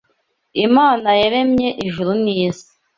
Imana yaremye ijuru n’isi